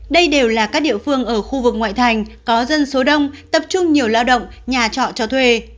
đây đều là các địa phương ở khu vực ngoại thành có dân số đông tập trung nhiều lao động nhà trọ cho thuê